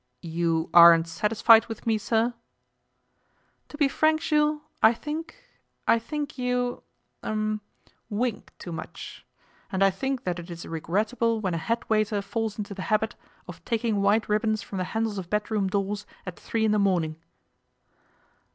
'You aren't satisfied with me, sir?' 'To be frank, Jules, I think I think you er wink too much. And I think that it is regrettable when a head waiter falls into a habit of taking white ribbons from the handles of bedroom doors at three in the morning.